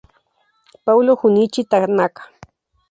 Paulo Junichi Tanaka